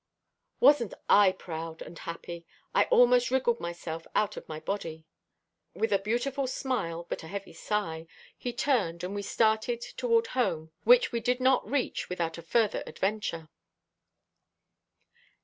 Wasn't I proud and happy! I almost wriggled myself out of my body. With a beautiful smile, but a heavy sigh, he turned, and we started toward home which we did not reach without a further adventure.